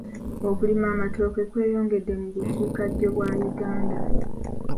Okulima amatooke kweyongedde mu bukiikaddyo bwa Uganda.